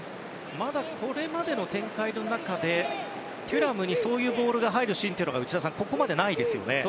まだこれまでの展開でテュラムにそういうボールが入るシーンがここまでないですよね。